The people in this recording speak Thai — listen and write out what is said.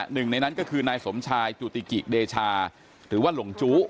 หนึ่งในนั้นก็คือนายสมชายจุติกิเดชาหรือว่าหลงจู้